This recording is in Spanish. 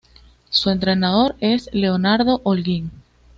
Su entrenador es Leonardo Olguín.